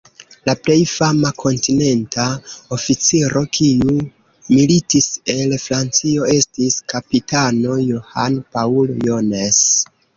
La plej fama Kontinenta oficiro, kiu militis el Francio, estis kapitano John Paul Jones.